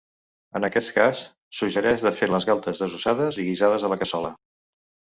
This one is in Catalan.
En aquest cas, suggereix de fer les galtes desossades i guisades a la cassola.